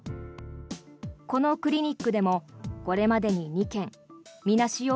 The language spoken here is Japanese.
このクリニックでもこれまでに２件みなし